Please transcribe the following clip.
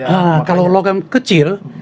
nah kalau logam kecil